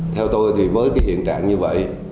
theo tôi thì với cái hiện trạng như vậy